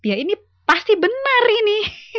ya ini pasti benar ini